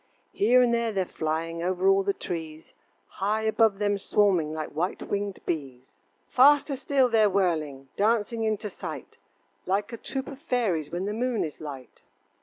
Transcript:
Here and there they're flying Over all the trees, High above them swarming Like white winged bees. Faster still they're whirling, Dancing into sight, Like a troop of fairies When the moon is light.